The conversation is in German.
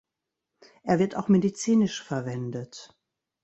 Er wird auch medizinisch verwendet.